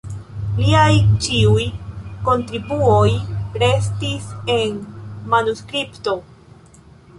Liaj ĉiuj kontribuoj restis en manuskripto.